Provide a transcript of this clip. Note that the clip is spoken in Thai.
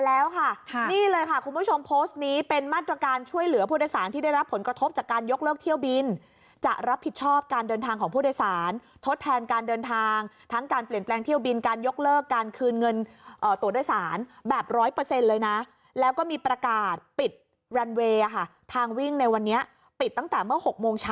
โอ้ยเนี่ยผู้โดยสารก็บอกว่าโอ้ยเนี่ยผู้โดยสารก็บอกว่าโอ้ยเนี่ยผู้โดยสารก็บอกว่าโอ้ยเนี่ยผู้โดยสารก็บอกว่าโอ้ยเนี่ยผู้โดยสารก็บอกว่าโอ้ยเนี่ยผู้โดยสารก็บอกว่าโอ้ยเนี่ยผู้โดยสารก็บอกว่าโอ้ยเนี่ยผู้โดยสารก็บอกว่าโอ้ยเนี่ยผู้โดยสารก็บอก